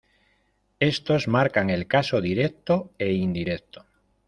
Estos marcan el caso directo e indirecto.